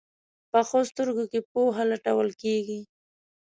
پخو سترګو کې پوهه لټول کېږي